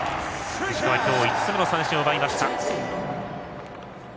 石川、今日５つ目の三振を奪いました。